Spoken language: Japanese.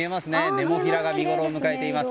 ネモフィラが見ごろを迎えています。